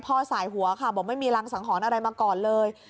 สายหัวค่ะบอกไม่มีรังสังหรณ์อะไรมาก่อนเลย